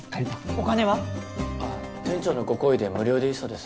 お金は？あっ店長のご厚意で無料でいいそうです。